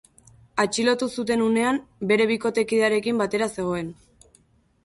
Atxilotu zuten unean bere bikotekidearekin batera zegoen.